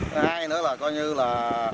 thứ hai nữa là coi như là